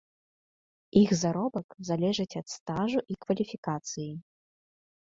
Іх заробак залежыць ад стажу і кваліфікацыі.